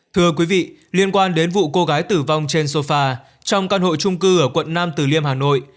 thưa quý vị liên quan đến vụ cô gái tử vong trên sofa trong căn hộ trung cư ở quận nam từ liêm hà nội